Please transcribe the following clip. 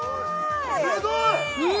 すごい！